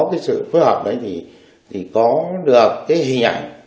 cái sự phối hợp đấy thì có được cái hình ảnh